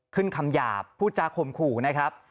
ขึ้นคำหยาบผู้จาคมขู่นะครับ